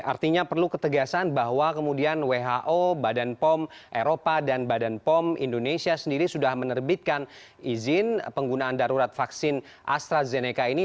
artinya perlu ketegasan bahwa kemudian who badan pom eropa dan badan pom indonesia sendiri sudah menerbitkan izin penggunaan darurat vaksin astrazeneca ini